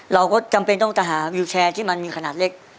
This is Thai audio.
เราก็จำเป็นต้องจะหาวิวแชร์ที่มันมีขนาดเล็ก